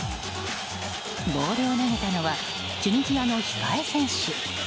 ボールを投げたのはチュニジアの控え選手。